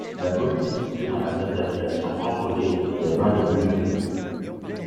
La commune est située dans la zone d'appellation contrôlée des vins du Bugey.